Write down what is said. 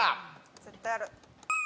絶対ある。